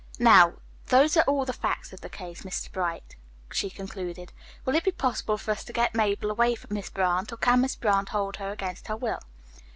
"Now, those are all the facts of the case, Mr. Bright," she concluded. "Will it be possible for us to get Mabel away from Miss Brant, or can Miss Brant hold her against her will?"